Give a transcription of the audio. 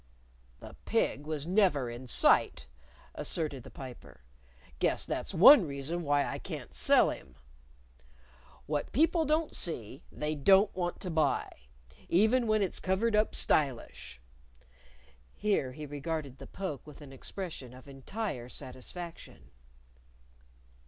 "The pig was never in sight," asserted the Piper. "Guess that's one reason why I can't sell him. What people don't see they don't want to buy even when it's covered up stylish." (Here he regarded the poke with an expression of entire satisfaction.)